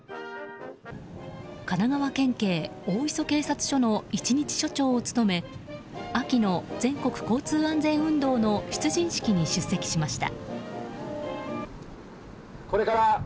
神奈川県警大磯警察署の一日署長を務め秋の全国交通安全運動の出陣式に出席しました。